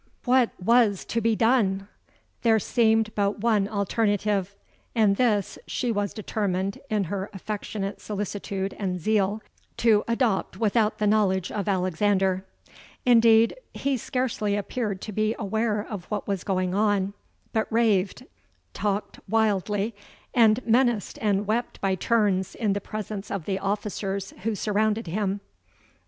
"What was to be done? There seemed but one alternative; and this she was determined, in her affectionate solicitude and zeal, to adopt without the knowledge of Alexander. Indeed, he scarcely appeared to be aware of what was going on; but raved, talked wildly, and menaced and wept by turns in the presence of the officers who surrounded him.